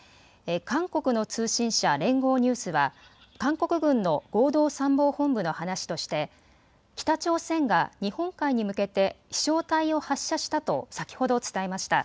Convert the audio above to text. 韓国の通信社、連合ニュースは韓国軍の合同参謀本部の話として北朝鮮が日本海に向けて飛しょう体を発射したと先ほど伝えました。